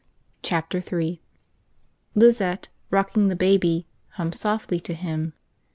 Chapter Three LIZETTE, rocking the baby, hummed softly to him.